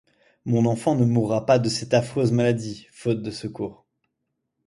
Mon enfant ne mourra pas de cette affreuse maladie, faute de secours.